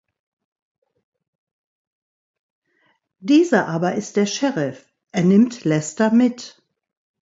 Dieser aber ist der Sheriff, er nimmt Lester mit.